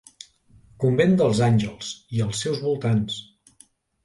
Convent dels Àngels i els seus voltants.